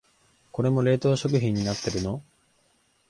これも冷凍食品になってるの？